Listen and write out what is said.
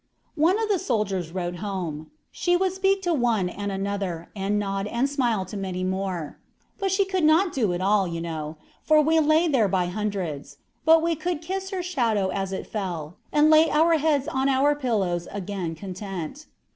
One of the soldiers wrote home: "She would speak to one and another, and nod and smile to many more; but she could not do it to all, you know, for we lay there by hundreds; but we could kiss her shadow as it fell, and lay our heads on our pillows again content."